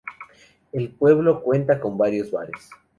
El pueblo cuenta con varios bares.